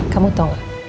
kamu tau gak